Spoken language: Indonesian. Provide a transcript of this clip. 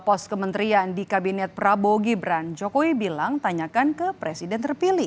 pos kementerian di kabinet prabowo gibran jokowi bilang tanyakan ke presiden terpilih